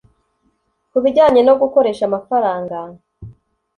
Mu bijyanye no gukoresha amafaranga